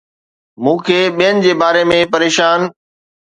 مون کي ٻين جي باري ۾ پريشان